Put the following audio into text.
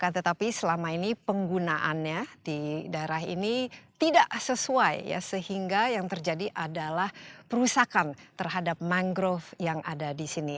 tetapi selama ini penggunaannya di daerah ini tidak sesuai sehingga yang terjadi adalah perusakan terhadap mangrove yang ada di sini